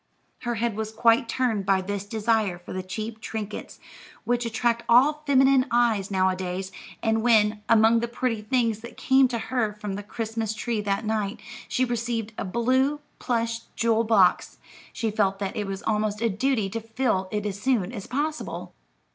Her head was quite turned by this desire for the cheap trinkets which attract all feminine eyes now a days, and when, among the pretty things that came to her from the Christmas tree that night, she received a blue plush jewel box, she felt that it was almost a duty to fill it as soon as possible.